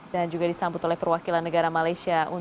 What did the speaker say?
dan juga disambut oleh perwakilan negara malaysia